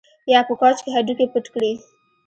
یا په کوچ کې هډوکي پټ کړي